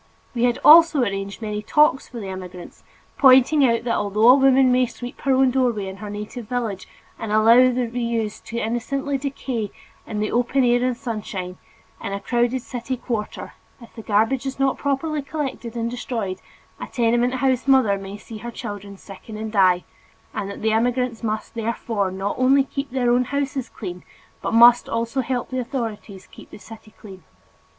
We had also arranged many talks for the immigrants, pointing out that although a woman may sweep her own doorway in her native village and allow the reuse to innocently decay in the open air and sunshine, in a crowded city quarter, if the garbage is not properly collected and destroyed, a tenement house mother may see her children sicken and die, and that the immigrants must therefore not only keep their own houses clean, but must also help the authorities to keep the city clean.